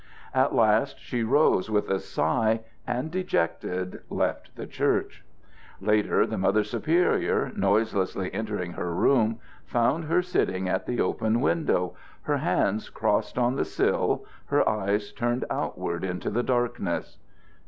At last she rose with a sigh and, dejected, left the church. Later, the Mother Superior, noiselessly entering her room, found her sitting at the open window, her hands crossed on the sill, her eyes turned outward into the darkness.